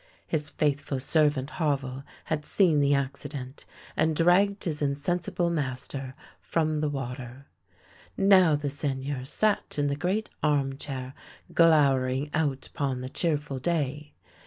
His faithful servant Havel had seen the accident, and dragged his insensible master from the water. Now the Seigneur sat in the great arm chair glower ing out upon the cheerful day.